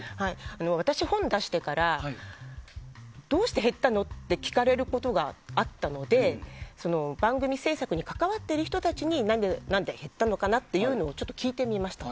私、本を出してからどうして減ったの？って聞かれることがあったので番組制作に関わってる人たちに何で減ったのかを聞いてきました。